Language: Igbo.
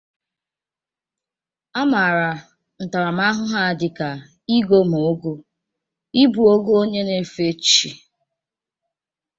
A maara ntaramahụhụ a dịka "igo ma ogo" (ịbu ogo onye na-efe chi).